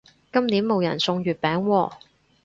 今年冇人送月餅喎